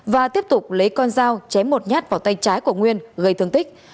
và tiếp tục lấy con dao chém một nhát vào tay trái của nguyên gây thương tích